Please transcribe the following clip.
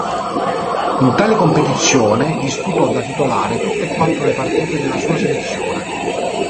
In tale competizione disputò da titolare tutte e quattro le partite della sua selezione.